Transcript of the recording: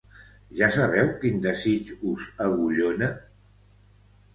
Ja sabeu quin desig us agullona?